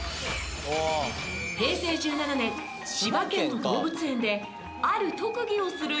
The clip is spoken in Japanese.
平成１７年千葉県の動物園である特技をする人気者が誕生。